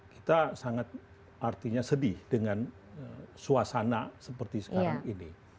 kita sangat artinya sedih dengan suasana seperti sekarang ini